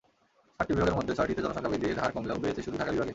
সাতটি বিভাগের মধ্যে ছয়টিতে জনসংখ্যা বৃদ্ধির হার কমলেও বেড়েছে শুধু ঢাকা বিভাগে।